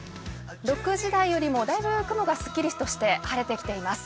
６時台よりもだいぶ雲がすっきりとして晴れてきています。